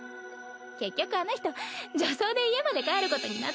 結局あの人女装で家まで帰ることになって。